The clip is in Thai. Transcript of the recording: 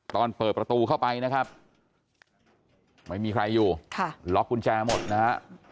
เปิดประตูเข้าไปนะครับไม่มีใครอยู่ล็อกกุญแจหมดนะฮะ